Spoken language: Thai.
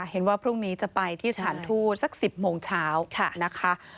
เห็นว่าพรุ่งนี้จะไปที่สถานทูตสัก๑๐โมงเช้านะคะ